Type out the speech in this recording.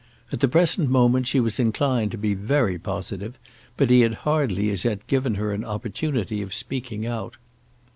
At the present moment she was inclined to be very positive, but he had hardly as yet given her an opportunity of speaking out.